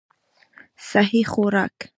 سهي خوراک